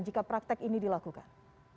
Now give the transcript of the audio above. jika praktek ini dilakukan